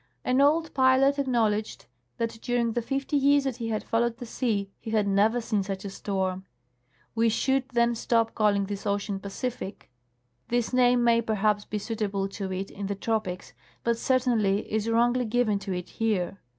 An old pilot acknowledged that during the fifty years that he had followed the sea he had never seen such a storm. We should then stop calling this ocean " Pacific." This name may, perhaps, be suitable to it in the tropics, but certainly is wrongly given to it here.